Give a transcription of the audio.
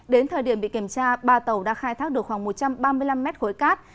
đến thời điểm bị kiểm tra ba tàu đã khai thác được khoảng một trăm ba mươi năm mét khối cát